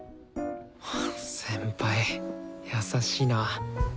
先輩優しいな。